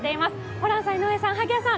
ホランさん、井上さん、萩谷さん